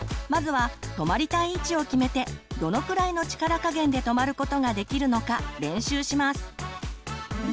まずは止まりたい位置を決めてどのくらいの力加減で止まることができるのか練習します。